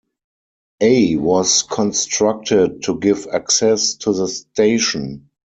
A was constructed to give access to the station.